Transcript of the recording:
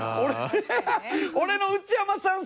俺の「内山さん